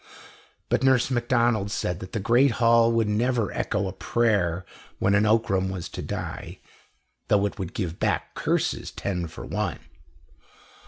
But Nurse Macdonald said that the great hall would never echo a prayer when an Ockram was to die, though it would give back curses ten for one.